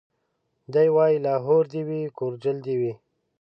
دی وايي لاهور دي وي کورجل دي وي